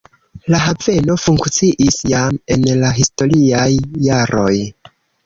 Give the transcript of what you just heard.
La haveno funkciis jam en la historiaj jaroj.